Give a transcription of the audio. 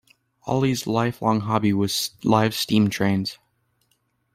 Ollie's lifelong hobby was live steam trains.